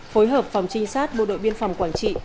phối hợp phòng trinh sát bộ đội biên phòng quảng trị